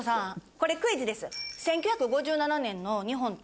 これクイズです。